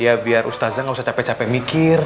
ya biar ustazah ga usah capek capek mikir